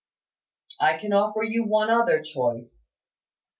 I can offer you one other choice.